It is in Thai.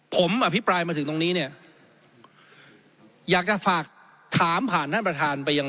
ผมอภิปรายมาถึงตรงนี้เนี่ยอยากจะฝากถามผ่านท่านประธานไปยัง